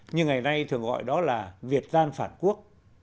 nhưng ngày nay thường gọi đó là việt gian phản quốc